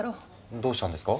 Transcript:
どうしたんですか？